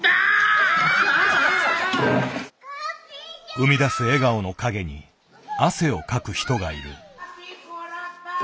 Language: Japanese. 生み出す笑顔の陰に汗をかく人がいる。